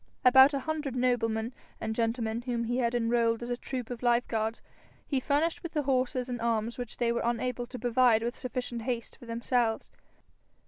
About a hundred noblemen and gentlemen whom he had enrolled as a troop of life guards, he furnished with the horses and arms which they were unable to provide with sufficient haste for themselves.